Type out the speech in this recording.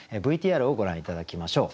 ＶＴＲをご覧頂きましょう。